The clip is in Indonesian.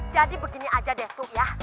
jadi begini aja deh tuh yah